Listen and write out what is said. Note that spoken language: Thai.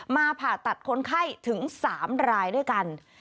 ผ่าตัดคนไข้ถึง๓รายด้วยกัน